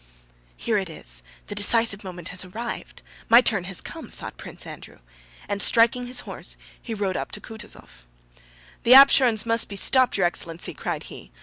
"Here it is! The decisive moment has arrived. My turn has come," thought Prince Andrew, and striking his horse he rode up to Kutúzov. "The Ápsherons must be stopped, your excellency," cried he.